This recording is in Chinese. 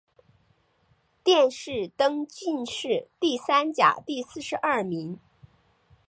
殿试登进士第三甲第四十二名。